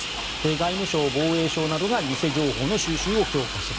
外務省、防衛省などが偽情報の収集を強化する。